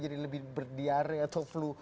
jadi lebih berdiare atau flu